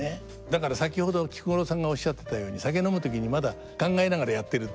だから先ほど菊五郎さんがおっしゃってたように「酒飲む時にまだ考えながらやってる」。